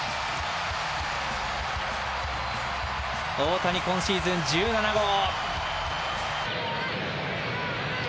大谷今シーズン１７号。